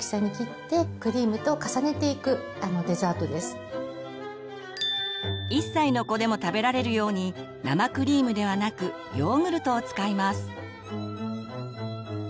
最初は１歳の子でも食べられるように生クリームではなくヨーグルトを使います。